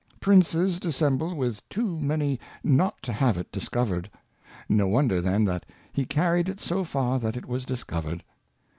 Princes dissemble with too many not to have it discovered ; no wonder then that He carried it so far that it was discovered.